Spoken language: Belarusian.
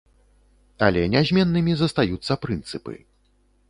Але нязменнымі застаюцца прынцыпы.